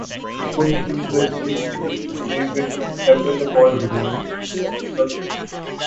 Both films were critically acclaimed and won several awards at local film festivals.